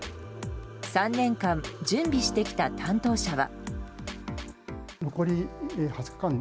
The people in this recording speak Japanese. ３年間準備してきた担当者は。